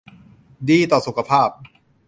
ดีต่อสุขภาพ